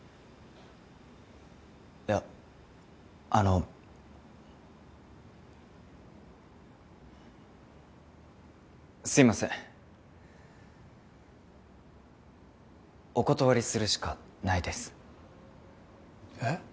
いやあのすいませんお断りするしかないですえっ？